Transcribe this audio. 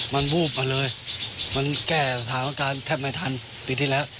มันวูบมาเลยมันแก้สถานการณ์แทบไม่ทันปีที่แล้ว